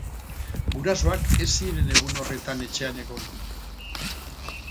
Gurasoak ez ziren egun horretan etxean egon.